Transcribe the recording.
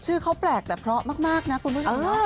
ชื่อเขาแปลกแต่พอมากนะคุณนุ่มไป